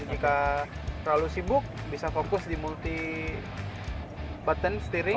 jika terlalu sibuk bisa fokus di multi button steering